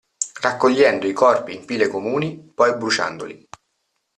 Raccogliendo i corpi in pile comuni, poi bruciandoli.